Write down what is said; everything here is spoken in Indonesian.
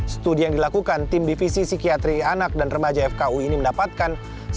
studi yang dilakukan tim divisi psikiatri anak dan remaja fku ini mendapatkan